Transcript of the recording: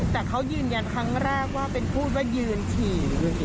แต่เขายืนยันครั้งแรกว่าเป็นพูดว่ายืนฉี่